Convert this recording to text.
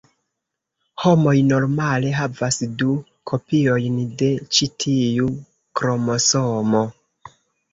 Homoj normale havas du kopiojn de ĉi tiu kromosomo.